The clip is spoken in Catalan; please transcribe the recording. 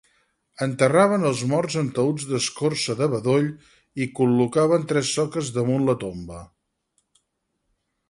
Enterraven els morts en taüts d'escorça de bedoll i col·locaven tres soques damunt la tomba.